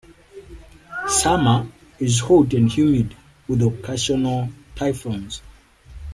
Summer is hot and humid with occasional typhoons.